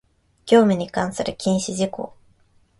業務に関する禁止事項